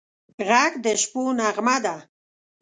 غږ د شپو نغمه ده